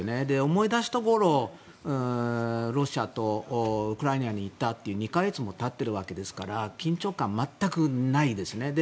思い出すところロシアとウクライナの問題から２か月も経っているわけですから緊張感が全くないですよね。